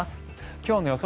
今日の予想